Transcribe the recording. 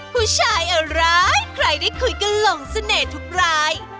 ผู้ชายอะไรใครได้คุยกันหลงเสน่ห์ทุกราย